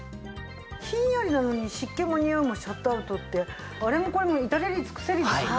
ひんやりなのに湿気もにおいもシャットアウトってあれもこれも至れり尽くせりですね。